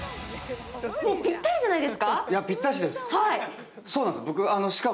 もうぴったりじゃないですか？